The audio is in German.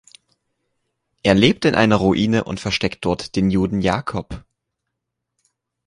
Er lebt in einer Ruine und versteckt dort den Juden Jakob.